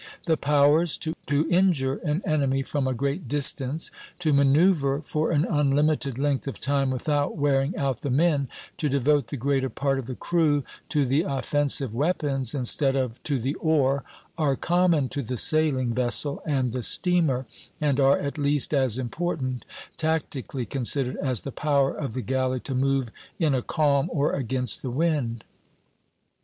The powers to injure an enemy from a great distance, to manoeuvre for an unlimited length of time without wearing out the men, to devote the greater part of the crew to the offensive weapons instead of to the oar, are common to the sailing vessel and the steamer, and are at least as important, tactically considered, as the power of the galley to move in a calm or against the wind.